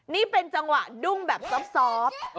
นี่เป็นจังหวะดุ้งแบบซอบ